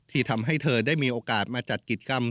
ที่ทำให้เธอได้มีโอกาสมาจัดกิจกรรม